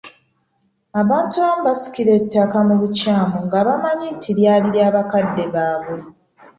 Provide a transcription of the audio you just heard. Abantu abamu basikira ettaka mu bukyamu nga bamanyi nti lyali lya bakadde baabwe.